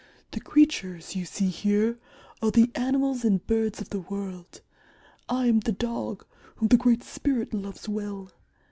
The creatures you see here are the animals and birds of the world. I am the Dog, whom the Great Spirit loves well.